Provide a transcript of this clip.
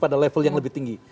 pada level yang lebih tinggi